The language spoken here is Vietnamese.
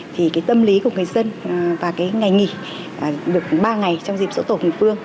thì tâm lý của người dân và ngày nghỉ được ba ngày trong dịp rỗ tổ hùng vương